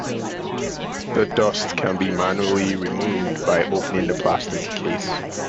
The dust can be manually removed by opening the plastic case.